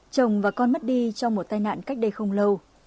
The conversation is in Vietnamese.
chồng và con mất đi trong một tai nạn cách đây không lâu